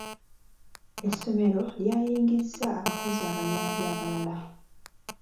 Essomero lyayingizza abakozi abayambi abalala.